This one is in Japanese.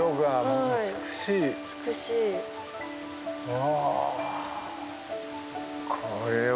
うわ。